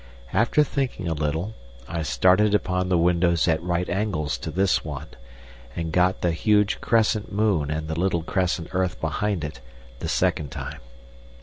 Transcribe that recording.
After thinking a little I started upon the windows at right angles to this one, and got the huge crescent moon and the little crescent earth behind it, the second time.